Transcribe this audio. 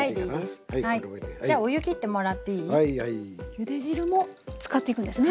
ゆで汁も使っていくんですね